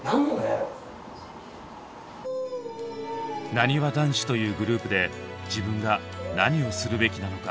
「なにわ男子」というグループで自分が何をするべきなのか？